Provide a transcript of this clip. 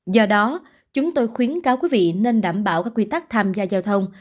do đó chúng tôi khuyến cáo quý vị nên đảm bảo các quy tắc tham gia giao thông